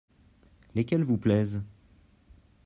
Lesquels vous plaisent ?